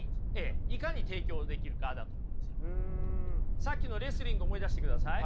さっきのレスリングを思い出してください。